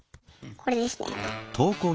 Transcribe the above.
これですね。